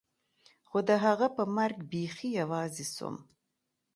خو د هغه په مرګ بيخي يوازې سوم.